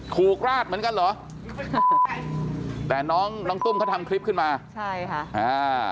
ราดเหมือนกันเหรอแต่น้องน้องตุ้มเขาทำคลิปขึ้นมาใช่ค่ะอ่า